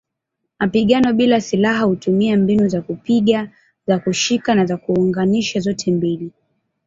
Mapigano bila silaha hutumia mbinu za kupiga, za kushika na za kuunganisha zote mbili.